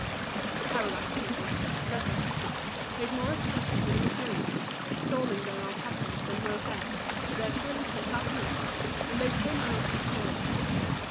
The Paradise people, less artistic, paid more attention to the material, extolling their alpacas and mohairs, their twills and sarcenets. And they came out victorious.